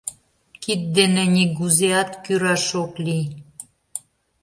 Кид дене нигузеат кӱраш ок лий.